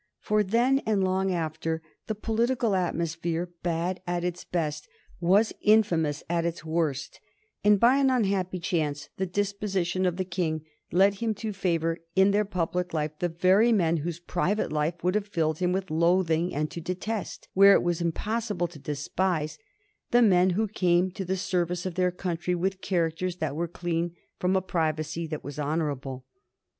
For then and long after, the political atmosphere, bad at its best, was infamous at its worst, and by an unhappy chance the disposition of the King led him to favor in their public life the very men whose private life would have filled him with loathing, and to detest, where it was impossible to despise, the men who came to the service of their country with characters that were clean from a privacy that was honorable.